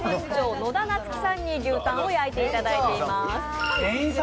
野田菜月さんに牛タンを焼いていただいています。